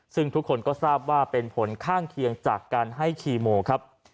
ซึ่งทุกคนก็ทราบว่าเป็นผลข้างเคียงจากการให้คีโมครับ